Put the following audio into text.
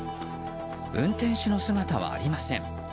運転手の姿はありません。